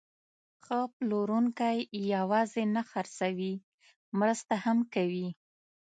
ښه پلورونکی یوازې نه خرڅوي، مرسته هم کوي.